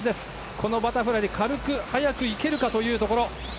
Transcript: このバタフライで軽く速くいけるかというところ。